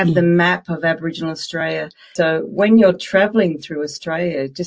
belajar lebih banyak tentang bahasa di area itu